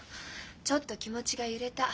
「ちょっと気持ちが揺れた」。